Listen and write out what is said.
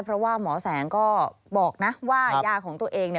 เพราะว่าหมอแสงก็บอกนะว่ายาของตัวเองเนี่ย